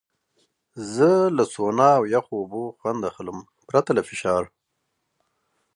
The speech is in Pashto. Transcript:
زه له سونا او یخو اوبو خوند اخلم، پرته له فشار.